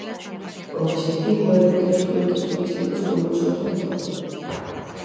O obxectivo é vender os produtos turísticos como un só territorio.